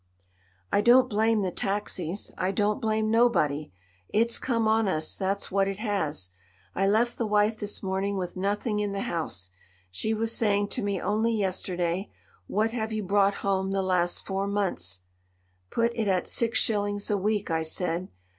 "I don't blame the taxis, I don't blame nobody. It's come on us, that's what it has. I left the wife this morning with nothing in the house. She was saying to me only yesterday: 'What have you brought home the last four months?' 'Put it at six shillings a week,' I said.